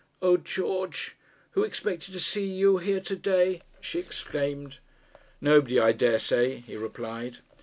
'O, George, who expected to see you here to day!' she exclaimed. 'Nobody, I daresay,' he replied.